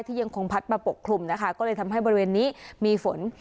ยังคงพัดมาปกคลุมนะคะก็เลยทำให้บริเวณนี้มีฝน